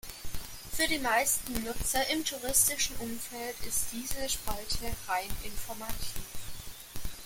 Für die meisten Nutzer im touristischen Umfeld ist diese Spalte rein informativ.